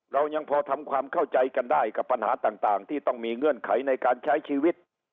เรายังพอทำความเข้าใจกันได้กับปัญหาต่างที่ต้องมีเงื่อนไขในการใช้ชีวิต